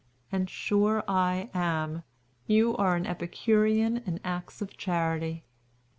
and sure I am, you are an Epicurean in acts of charity.